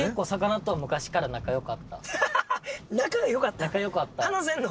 仲良かった。